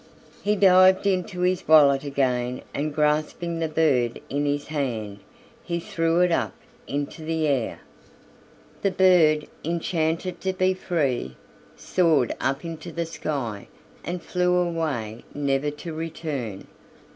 He dived into his wallet again, and grasping the bird in his hand, he threw it up into the air. The bird, enchanted to be free, soared up into the sky, and flew away never to return.